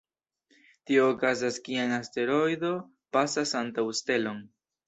Tio okazas kiam asteroido pasas antaŭ stelon.